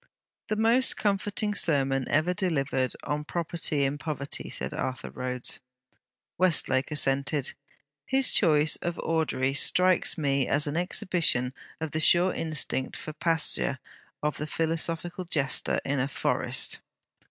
'The most comforting sermon ever delivered on property in poverty,' said Arthur Rhodes. Westlake assented. 'His choice of Audrey strikes me as an exhibition of the sure instinct for pasture of the philosophical jester in a forest.'